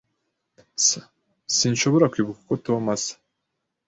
S Sinshobora kwibuka uko Tom asa.